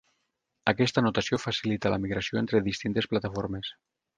Aquesta notació facilita la migració entre distintes plataformes.